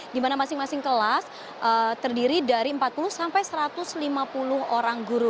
di mana masing masing kelas terdiri dari empat puluh sampai satu ratus lima puluh orang guru